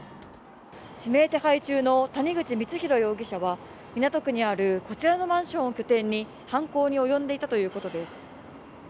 指名手配中の谷口光弘容疑者は港区にあるこちらのマンションを拠点に犯行に及んでいたということです。